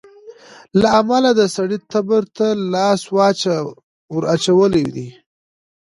له امله د سړي تبر ته لاستى وراچولى دى.